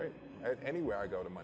anda akan diperlukan bukan